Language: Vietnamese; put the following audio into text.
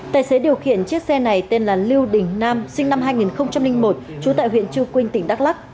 tài xế điều khiển chiếc xe này tên là lưu đình nam sinh năm hai nghìn một trú tại huyện chư quynh tỉnh đắk lắc